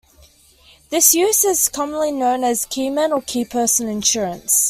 This use is commonly known as "key man" or "key person" insurance.